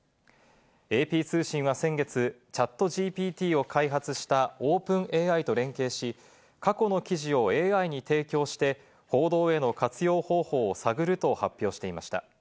ＡＰ通信は先月、ＣｈａｔＧＰＴを開発したオープンＡＩと連携し、過去の記事をＡＩに提供して報道への活用方法を探ると発表していました。